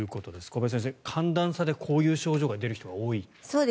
小林先生、寒暖差でこういう症状が出る人が多いと。